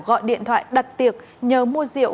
gọi điện thoại đặt tiệc nhờ mua rượu